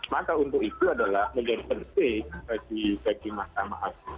maka untuk itu adalah menjadi penting bagi mahkamah agung